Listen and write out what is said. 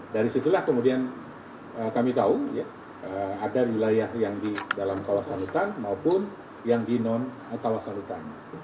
dari situlah kemudian kami tahu ada wilayah yang di dalam kawasan hutan maupun yang di non kawasan hutan